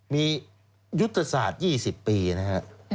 มียุติศาสตร์๒๐ปีนะฮะ